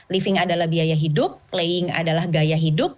living adalah biaya hidup playing adalah gaya hidup